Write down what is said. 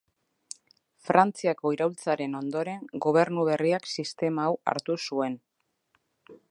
Frantziako iraultzaren ondoren gobernu berriak sistema hau hartu zuen.